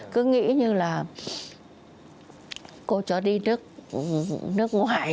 cứ nghĩ như là cô chó đi nước ngoại thôi